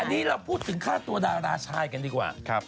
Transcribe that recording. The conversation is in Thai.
อันนี้เราพูดถึงค่าตัวดาราชายกันดีกว่า